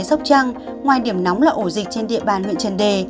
sóc trăng ngoài điểm nóng là ổ dịch trên địa bàn huyện trần đề